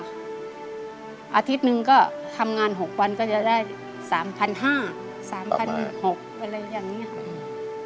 อาทิตย์นึงก็ทำงานหกวันก็จะได้สามพันห้าสามพันหกอะไรอย่างนี้ครับ